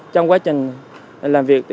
trong quá trình làm việc